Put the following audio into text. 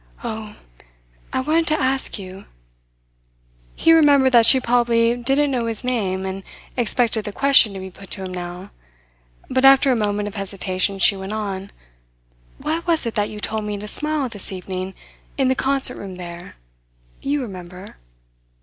"Oh! I wanted to ask you " He remembered that she probably did not know his name, and expected the question to be put to him now; but after a moment of hesitation she went on: "Why was it that you told me to smile this evening in the concert room there you remember?"